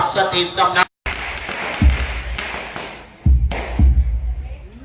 สวัสดีทุกคน